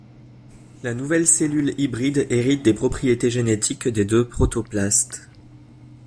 La nouvelle cellule hybride hérite des propriétés génétiques des deux protoplastes.